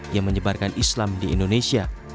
yang menyebarkan islam di indonesia